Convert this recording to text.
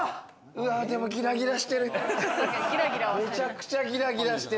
でもギラギラしてる。